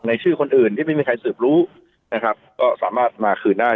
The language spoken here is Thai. ชื่อคนอื่นที่ไม่มีใครสืบรู้นะครับก็สามารถมาคืนได้